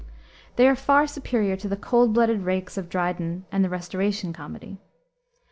They are far superior to the cold blooded rakes of Dryden and the Restoration comedy.